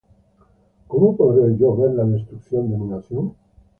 ¿cómo podré yo ver la destrucción de mi nación?